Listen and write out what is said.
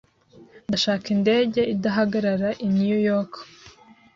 Ndashaka indege idahagarara i New York.